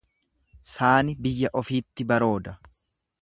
Saani biyya ufiitti barooda.